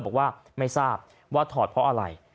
บอกว่าไม่ทราบว่าถอดเพราะอะไร